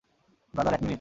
Brother, এক minute.